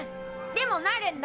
でもなるんだ！